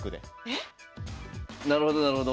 なるほどなるほど。